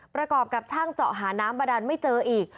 ประกอบกับช่างเจาะหาน้ำบาดานไม่เจออีก